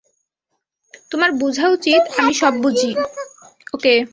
তোমার বোঝা উচিত - আমি সব বুঝি।